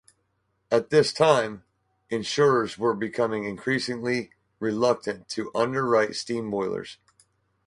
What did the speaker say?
At this time insurers were becoming increasingly reluctant to underwrite steam boilers.